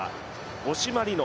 五島莉乃